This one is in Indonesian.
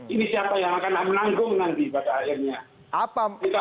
ini siapa yang akan menanggung nanti pada akhirnya